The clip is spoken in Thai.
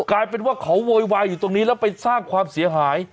กลายเป็นว่าเขาโวยวายอยู่ตรงนี้แล้วไปสร้างความเสียหาย